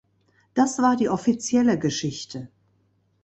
Das war die offizielle Geschichte.